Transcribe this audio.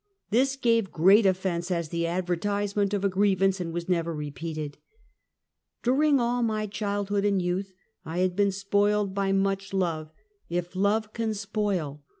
This gave great offense as the advertisement of a grievance, and was never repeated. During all my childhood and youth, I had been spoiled by much love, if love can spoil.